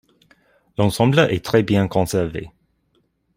L'ensemble est très bien conservé.